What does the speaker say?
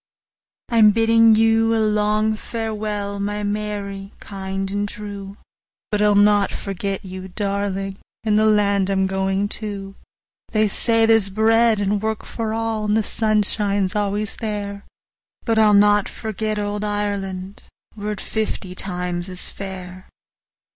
I'm biddin' you a long farewell, My Mary—kind and true! 50 But I'll not forget you, darling! In the land I'm goin' to; They say there 's bread and work for all, And the sun shines always there— But I'll not forget old Ireland, 55 Were it fifty times as fair!